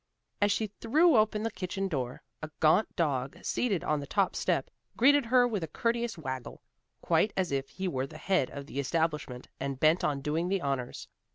As she threw open the kitchen door, a gaunt dog seated on the top step, greeted her with a courteous waggle, quite as if he were the head of the establishment and bent on doing the honors.